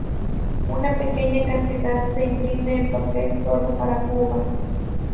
Una pequeña cantidad se imprime en papel solo para Cuba.